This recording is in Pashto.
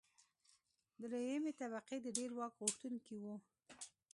درېیمې طبقې د ډېر واک غوښتونکي وو.